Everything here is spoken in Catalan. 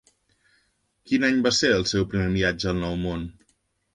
Quin any va ser el seu primer viatge al nou món?